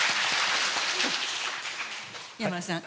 山野さん。